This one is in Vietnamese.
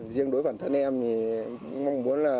riêng đối với bản thân em thì cũng mong muốn là